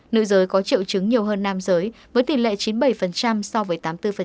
nữ giới có triệu chứng nhiều hơn nam giới với tỷ lệ chín mươi bảy so với tám mươi bốn